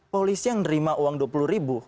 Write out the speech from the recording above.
polisi yang nerima uang dua puluh ribu